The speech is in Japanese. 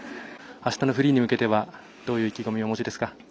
あしたのフリーに向けてはどういう意気込みをお持ちですか。